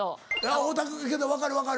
会うたけど分かる分かる。